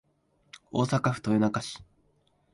大阪府豊中市